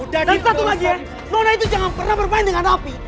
dan satu lagi ya nona itu jangan pernah bermain dengan api